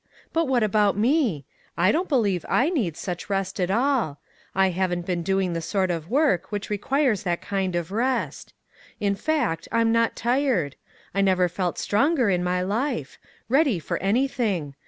But what about me ? I don't believe I need such rest at all. I haven't been doing the sort 42 STEP BY STEP. 43 of work which requires that kind of rest. In fact I'm not tired. I never felt stronger in my life. Ready for anything.